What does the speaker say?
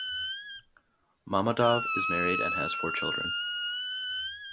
Mammadov is married and has four children.